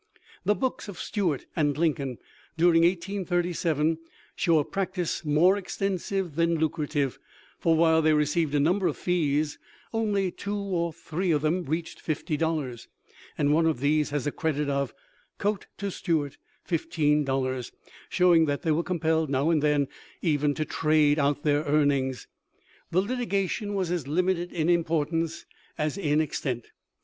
The books of Stuart and Lincoln, during 1837, show a practice more extensive than lucrative, for while they received a number of fees, only two or there of them reached fifty dollars ; and one of these has a credit of :" Coat to Stuart, $15.00," showing that they were compelled, now and then, even to " trade out " their earnings. The litigation was as limited in importance as in extent.